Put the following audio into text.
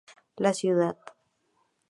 La ciudad.